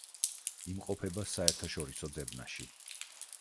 იმყოფება საერთაშორისო ძებნაში.